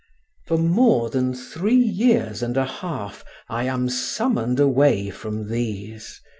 For more than three years and a half I am summoned away from these.